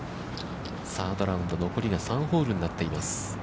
サードラウンド残りが３ホールになっています。